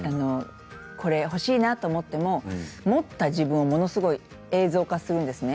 これ欲しいなと思っても持った自分を、ものすごく映像化するんですね。